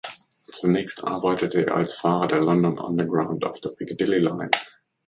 Zunächst arbeitete er als Fahrer der London Underground auf der Piccadilly Line.